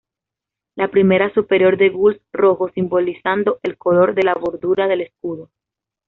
La primera superior de gules rojo simbolizando el color de la bordura del escudo.